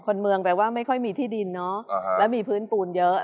คนเมืองแปลว่าไม่ค่อยมีที่ดินเนาะแล้วมีพื้นปูนเยอะ